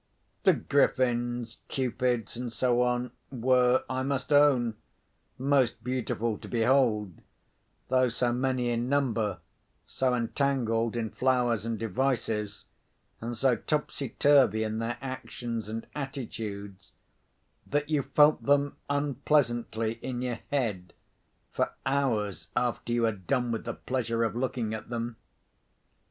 The griffins, cupids, and so on, were, I must own, most beautiful to behold; though so many in number, so entangled in flowers and devices, and so topsy turvy in their actions and attitudes, that you felt them unpleasantly in your head for hours after you had done with the pleasure of looking at them.